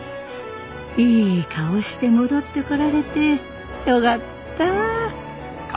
いい顔して戻ってこられてよがった。